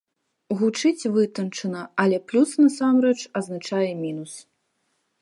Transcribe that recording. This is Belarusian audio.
Гучыць вытанчана, але плюс насамрэч азначае мінус.